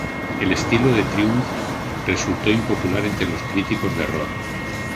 El estilo de Triumph resultó impopular entre los críticos de rock.